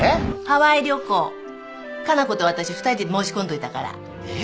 ハワイ旅行加奈子と私二人で申し込んどいたから。え！？